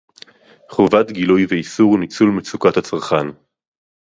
חובת גילוי ואיסור ניצול מצוקת הצרכן